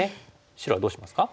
白はどうしますか？